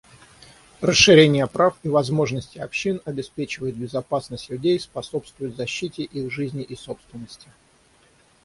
Расширение прав и возможностей общин обеспечивает безопасность людей, способствует защите их жизни и собственности.